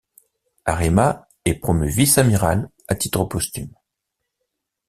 Arima est promu vice-amiral à titre posthume.